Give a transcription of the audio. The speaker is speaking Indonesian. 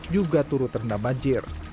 juga turut terhendam banjir